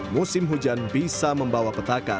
musim hujan bisa membawa petaka